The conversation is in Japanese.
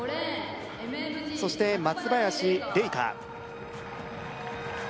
そして松林玲佳